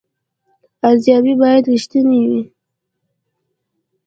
ارزیابي باید رښتینې وي